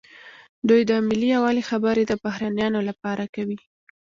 دوی د ملي یووالي خبرې د بهرنیانو لپاره کوي.